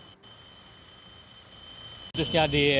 dengan udara besi cara penerbangan jemaah di remindedakan '